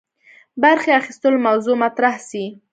برخي اخیستلو موضوع مطرح سي.